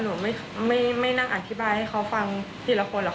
หนูไม่นั่งอธิบายให้เขาฟังทีละคนหรอกค่ะ